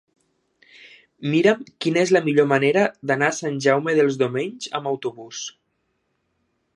Mira'm quina és la millor manera d'anar a Sant Jaume dels Domenys amb autobús.